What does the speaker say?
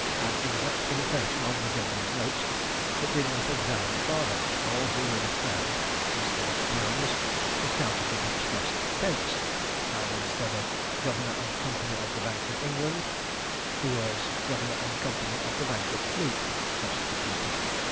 an exact imitation of the genuine notes, but did not examine farther, or he would have found, instead of pounds, the counterfeit expressed pence; and instead of "Governor and Company of the Bank of England," the words "Governor and Company of the Bank of Fleet," substituted.